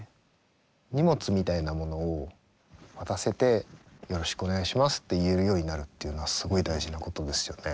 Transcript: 荷物みたいなものを渡せてよろしくお願いしますって言えるようになるっていうのはすごい大事なことですよね。